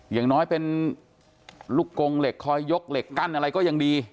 อย่างน้อยเป็นลูกกงเหล็กคอยยกเหล็กกั้นอะไรก็ยังดี